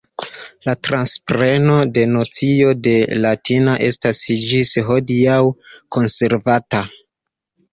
La transpreno de nocio de latina estas ĝis hodiaŭ konservata.